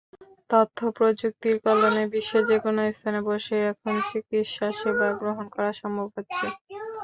তথ্যপ্রযুক্তির কল্যাণে বিশ্বের যেকোনো স্থানে বসেই এখন চিকিত্সাসেবা গ্রহণ করা সম্ভব হচ্ছে।